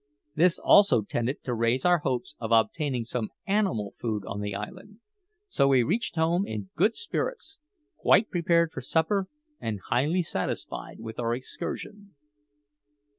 This also tended to raise our hopes of obtaining some animal food on the island; so we reached home in good spirits, quite prepared for supper, and highly satisfied with our excursion.